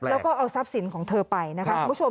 แล้วก็เอาทรัพย์สินของเธอไปนะคะ